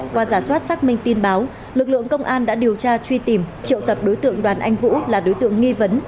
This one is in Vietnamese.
qua giả soát xác minh tin báo lực lượng công an đã điều tra truy tìm triệu tập đối tượng đoàn anh vũ là đối tượng nghi vấn